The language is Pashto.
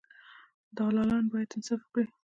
دلالان باید انصاف وکړي.